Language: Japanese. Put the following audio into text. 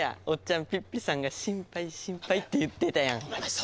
おっちゃんピッピさんが心配心配って言ってたやん。